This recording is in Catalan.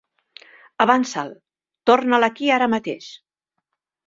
Avança'l; torna'l aquí ara mateix!